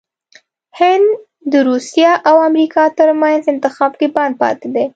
هند دروسیه او امریکا ترمنځ انتخاب کې بند پاتې دی😱